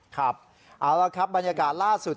ครับเอาละครับบรรยากาศล่าสุด